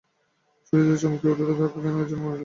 সুচরিতা চমকিয়া উঠিল–তাহাকে কে যেন মারিল।